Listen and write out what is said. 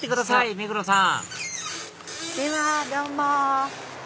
目黒さんではどうも。